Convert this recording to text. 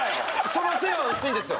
その線は薄いんですよ